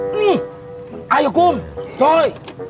ayo dimakan atu kum enak itu kum